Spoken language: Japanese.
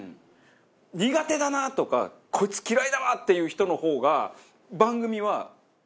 苦手だなとかこいつ嫌いだわっていう人の方が。